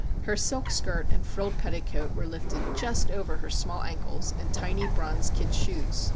Her silk skirt and frilled petticoat were lifted just over her small ankles and tiny bronze kid shoes.